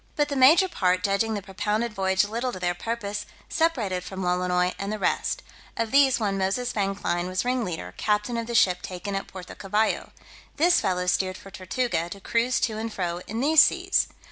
But the major part judging the propounded voyage little to their purpose, separated from Lolonois and the rest: of these one Moses Vanclein was ringleader, captain of the ship taken at Puerto Cavallo: this fellow steered for Tortuga, to cruise to and fro in these seas.